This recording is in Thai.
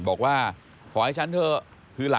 บอกว่าขอให้ฉันเถอะ